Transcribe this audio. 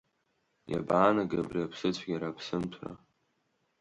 Иабаанагеи абри аԥсыцәгьара, аԥсымҭәра?